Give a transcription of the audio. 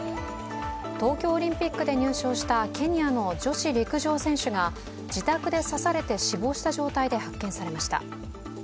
東京オリンピックで入賞したケニアの女子陸上選手が自宅で刺されて死亡した状態で発見されました。